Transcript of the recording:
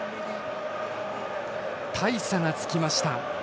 大差がつきました。